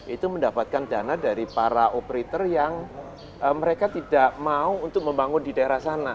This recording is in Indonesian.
itu mendapatkan dana dari para operator yang mereka tidak mau untuk membangun di daerah sana